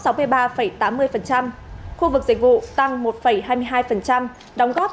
khu vực dịch vụ tăng một hai mươi hai đóng góp hai mươi hai hai mươi ba